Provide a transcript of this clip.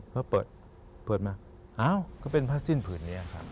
พอเปิดมาอ้าวก็เป็นผ้าสิ้นผืนนี้ครับ